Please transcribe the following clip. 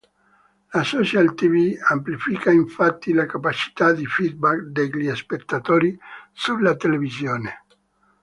La Social Tv amplifica infatti la capacità di feedback degli spettatori sulla televisione.